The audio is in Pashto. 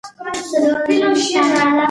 د ولس ملاتړ بنسټیز دی